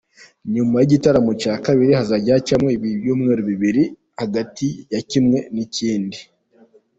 Nyuma y’igitaramo cya kabiri hazajya hacamo ibyumweru bibiri hagati ya kimwe n’ikindi.